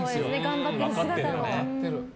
頑張ってる姿を。